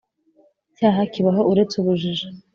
cyaha kibaho uretse ubujiji